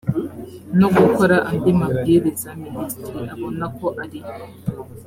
no gukora andi mabwiriza minisitiri abona ko ari